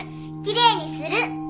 きれいにする！